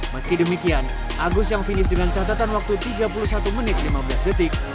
meski demikian agus yang finish dengan catatan waktu tiga puluh satu menit lima belas detik